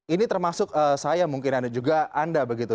ini termasuk saya mungkin anda juga anda begitu